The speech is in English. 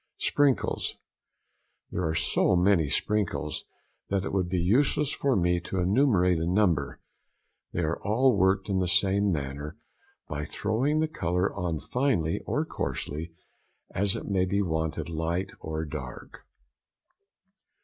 Sprinkles.—There are so many sprinkles, that it would be useless for me to enumerate a number, they are all worked in the same manner, by throwing the colour on finely or coarsely, as it may be wanted light or dark.